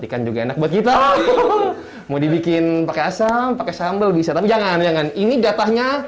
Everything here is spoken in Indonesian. ikan juga enak buat kita mau dibikin pakai asam pakai sambal bisa tapi jangan jangan ini jatahnya